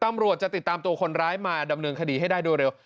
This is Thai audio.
ตำรวจจะติดตามตัวคนร้ายมาดำเนินคดีให้ได้โดยเร็ว